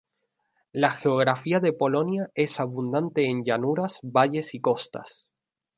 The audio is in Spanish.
La geografía de Polonia, es abundante en llanuras, valles y costas.